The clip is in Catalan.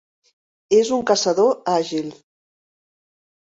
És un caçador àgil.